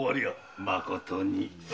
まことに。